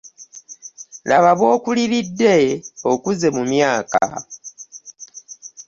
Laba bwokuliridde okuze mu myaka .